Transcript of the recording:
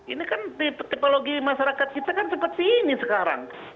ini kan tipologi masyarakat kita kan seperti ini sekarang